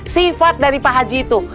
sifat dari pak haji itu